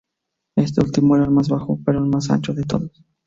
Este último era el más bajo pero el más ancho de todos.